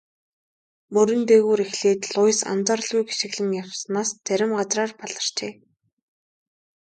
Мөрөн дээгүүр эхлээд Луис анзааралгүй гишгэлэн явснаас зарим газраар баларчээ.